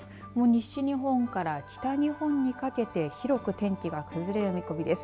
西日本から北日本にかけて広く天気が崩れる見込みです。